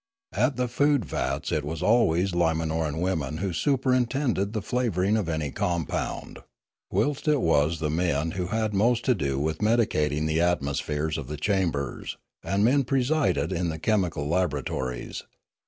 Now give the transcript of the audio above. At the food vats it was always the Limanoran women who superintended the flavouring of any compound; whilst it was the men 266 Limanora who had most to do with medicating the atmospheres of the chambers, and men presided in the chemical laboratories.